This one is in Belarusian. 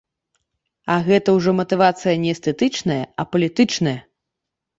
А гэта ўжо матывацыя не эстэтычная, а палітычная.